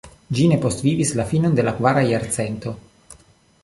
Ĝi ne postvivis la finon de la kvara jarcento.